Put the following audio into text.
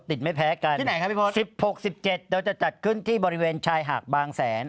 เราจะจัดขึ้นที่บริเวณชายหากบางแสน